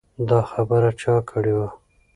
دا خبره چا کړې وه؟